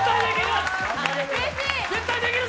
絶対できる！